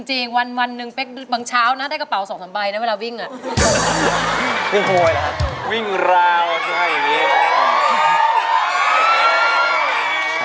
จริงวันนึงเบ๊กบังช้าวนะได้กระเป๋าสองสามใบนะเวลาวิ่งเนี่ย